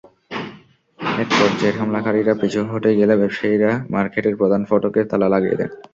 একপর্যায়ে হামলাকারীরা পিছু হটে গেলে ব্যবসায়ীরা মার্কেটের প্রধান ফটকে তালা লাগিয়ে দেন।